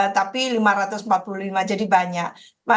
tapi lima ratus empat puluh lima jadi banyak